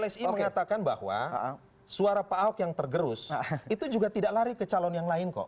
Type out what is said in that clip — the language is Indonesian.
psi mengatakan bahwa suara pak ahok yang tergerus itu juga tidak lari ke calon yang lain kok